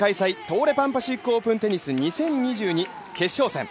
東レパンパシフィックオープンテニス２０２２決勝戦。